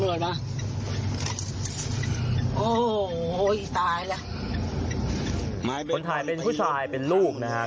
โอ้โหตายแล้วคนถ่ายเป็นผู้ชายเป็นลูกนะฮะ